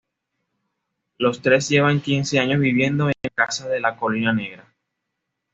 Los tres llevan quince años viviendo en la casa de la Colina Negra.